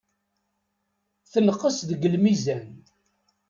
Tenqes deg lmizan.